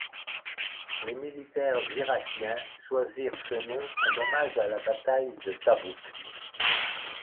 Les militaires irakiens choisirent ce nom en hommage à la bataille de Tabuk.